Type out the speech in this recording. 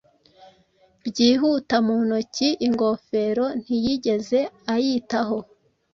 Byihuta mu ntoki ingofero ntiyigeze ayitaho